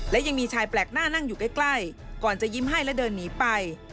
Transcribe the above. และยังมีชายแปลกหน้านั่งอยู่ใกล้ก่อนจะยิ้มให้และเดินหนีไป